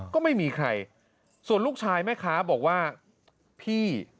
ก็ไม่มีใครส่วนลูกชายแม่ค้าบอกว่าพี่